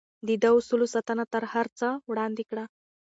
ده د اصولو ساتنه تر هر څه وړاندې کړه.